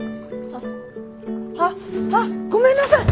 あっあっあっごめんなさい！